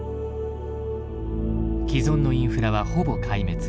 既存のインフラはほぼ壊滅。